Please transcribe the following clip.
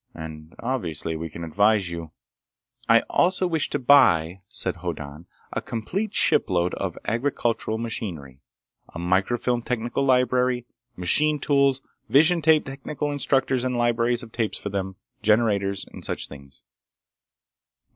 And obviously we can advise you—" "I also wish to buy," said Hoddan, "a complete shipload of agricultural machinery, a microfilm technical library, machine tools, vision tape technical instructors and libraries of tape for them, generators, and such things."